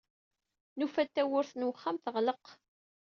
Nufa-d tawwurt n wexxam teɣleq.